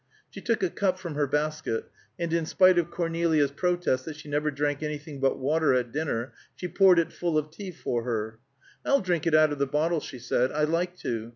She took a cup from her basket, and in spite of Cornelia's protest that she never drank anything but water at dinner, she poured it full of tea for her. "I'll drink out of the bottle," she said. "I like to.